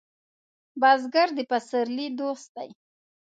بزګر د پسرلي دوست دی